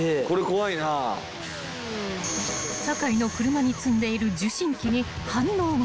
［酒井の車に積んでいる受信機に反応が］